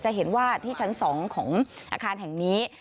จะเห็นว่าที่ชั้น๒ของอาคารแห่งนี้